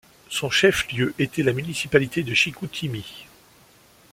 Son chef-lieu était la municipalité de Chicoutimi.